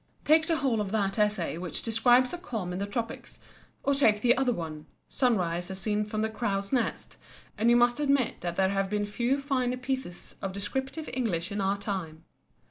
Take the whole of that essay which describes a calm in the Tropics, or take the other one: "Sunrise as seen from the Crow's nest," and you must admit that there have been few finer pieces of descriptive English in our time.